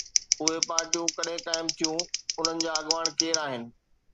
اهي پارٽيون ڪڏهن قائم ٿيون، انهن جا اڳواڻ ڪير آهن؟